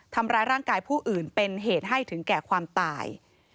ทำร้ายร่างกายผู้อื่นเป็นเหตุให้ถึงแก่ความตาย